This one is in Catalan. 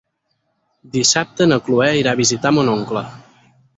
Dissabte na Cloè irà a visitar mon oncle.